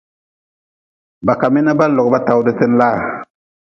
Ba ka mi na ba-n log ba tawdten laa.